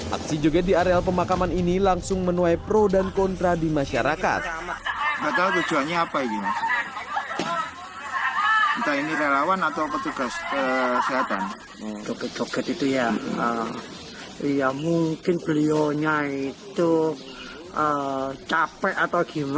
aksi joget di areal pemakaman ini langsung menuai pro dan kontra di masyarakat